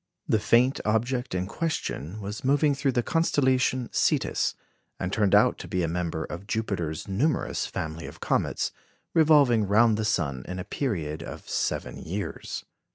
The faint object in question was moving through the constellation Cetus, and turned out to be a member of Jupiter's numerous family of comets, revolving round the sun in a period of seven years.